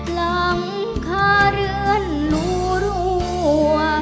หลังคาเรือนหนูรั่ว